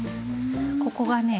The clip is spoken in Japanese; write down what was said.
ここがね